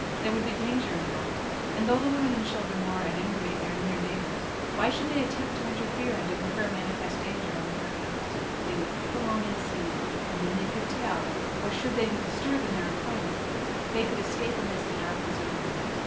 There would be danger in that. And though the women and children were, at any rate, their near neighbours, why should they attempt to interfere and incur manifest dangers on their account? But they would creep along and see, and then they could tell; or should they be disturbed in their employment, they could escape amidst the darkness of the night.